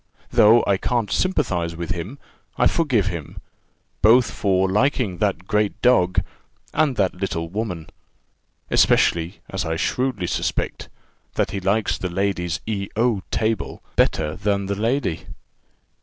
Though I can't sympathize with him, I forgive him, both for liking that great dog, and that little woman; especially, as I shrewdly suspect, that he likes the lady's E O table better than the lady."